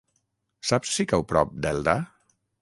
Saps si cau a prop d'Elda?